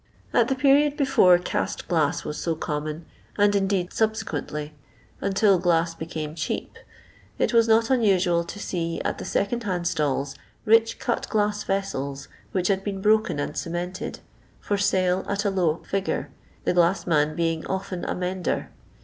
At the period before cast glass was so common, and, indeed, subsequently, until glass became cheap, it was not unusual to see at the second hand stalls, rich cut glass vessels which bad been broken and cemented, for sale at a low figure, the glass man being often a mender.